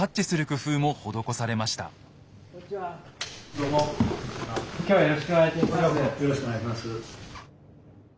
よろしくお願いします。